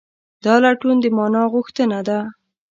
دا لټون د مانا غوښتنه ده.